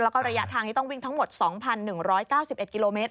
แล้วก็ระยะทางที่ต้องวิ่งทั้งหมด๒๑๙๑กิโลเมตร